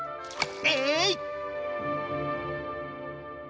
えい！